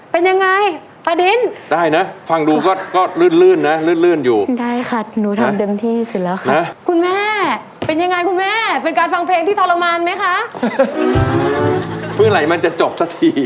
เพลงที่๖นะครับเพลงนี้เงินทุนสะสมมูลค่า๘๐๐๐๐บาท